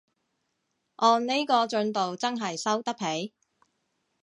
按呢個進度真係收得皮